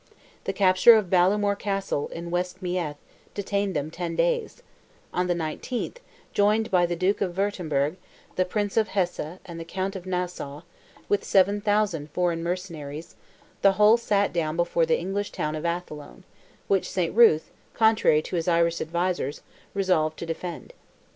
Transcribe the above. The capture of Ballymore Castle, in West Meath, detained them ten days; on the 19th, joined by the Duke of Wurtemburg, the Prince of Hesse and the Count of Nassau, with 7,000 foreign mercenaries, the whole sat down before the English town of Athlone, which Saint Ruth, contrary to his Irish advisers, resolved to defend.